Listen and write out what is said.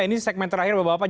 ini segmen terakhir bapak bapak